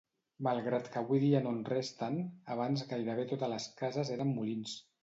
Malgrat que avui dia no en resten, abans gairebé totes les cases eren molins.